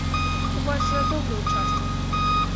У вас жа добры ўчастак.